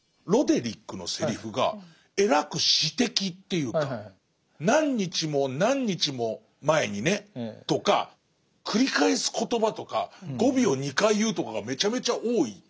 ロデリックのセリフがえらく詩的っていうか何日も何日も前にねとか繰り返す言葉とか語尾を２回言うとかがめちゃめちゃ多い。